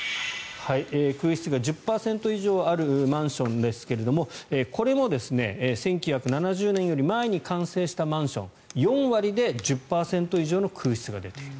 空室が１０％以上あるマンションですがこれも１９７０年より前に完成したマンションは４割で１０％以上の空室が出ている。